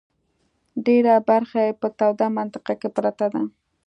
ډېره برخه یې په توده منطقه کې پرته ده.